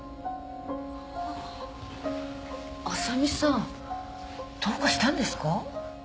あさみさんどうかしたんですか？